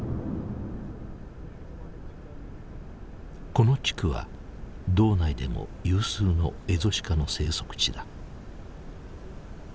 この地区は道内でも有数のエゾシカの生息地だ。